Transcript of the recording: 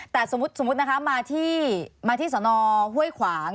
แต่สมมุตินะคะมาที่สนห้วยขวาง